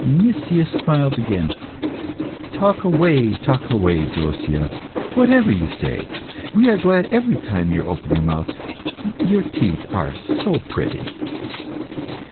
Nicias smiled again. "Talk away, talk away, Drosea. Whatever you say, we are glad every time you open your mouth. Your teeth are so pretty!"